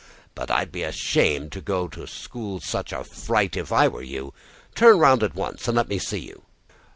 But I'd be ashamed to go to school such a fright if I were you. Turn round at once and let me see you!"